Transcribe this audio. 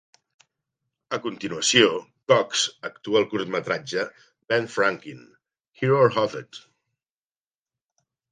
A continuació, Cox actua al curtmetratge "Ben Frankin: Hero or Hophead?